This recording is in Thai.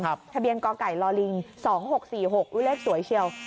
ทะเบียนกไก่ลอลิง๒๖๔๖เลขสวยเชียว